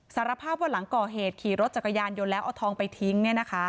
สารภาพว่าหลังก่อเหตุขี่รถจักรยานยนต์แล้วเอาทองไปทิ้ง